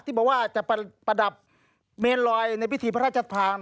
ที่บอกว่าจะประดับเมนลอยในพิธีพระราชทาน